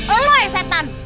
eh lo yang setan